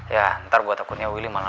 ya ntar gue takutnya willy malah